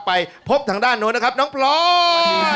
ไปพบทางด้านโน้นนะครับน้องพลอย